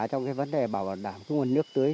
trong vấn đề bảo đảm nguồn nước tưới